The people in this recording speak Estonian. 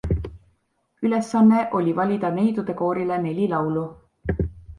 Ülesanne oli valida neidudekoorile neli laulu.